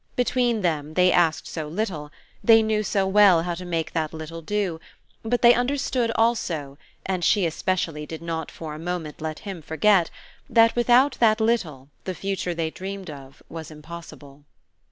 Between them they asked so little they knew so well how to make that little do but they understood also, and she especially did not for a moment let him forget, that without that little the future they dreamed of was impossible.